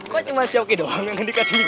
kok cuma si oki doang yang dikasih digoreng